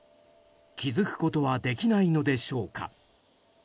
気付くことはできないのでしょうか。